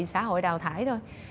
xã hội đào thải thôi